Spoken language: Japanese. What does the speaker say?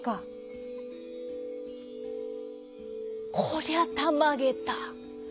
「こりゃたまげた！